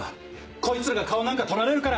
こいつらが顔なんか撮られるから！